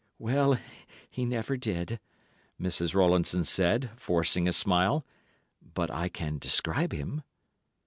"Well, he never did," Mrs. Rowlandson said, forcing a smile, "but I can describe him."